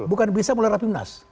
bukan bisa melalui rapimnas